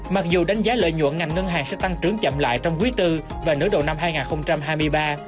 mặc dù đánh giá lợi nhuận ngành ngân hàng sẽ tăng trưởng chậm lại trong quý tư và nửa đầu năm hai nghìn hai mươi ba